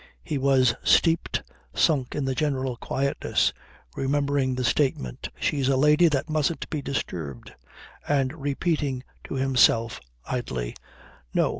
He was steeped, sunk in the general quietness, remembering the statement 'she's a lady that mustn't be disturbed,' and repeating to himself idly: 'No.